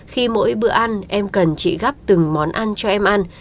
khi mỗi bữa ăn em cần chị gắp từng món ăn cho em ăn